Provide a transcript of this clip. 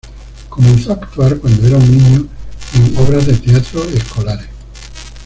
Comenzó a actuar cuando era un niño en obras de teatro escolares.